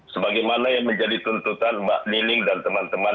sebagaimana yang menjadi tuntutan mbak nining dan teman teman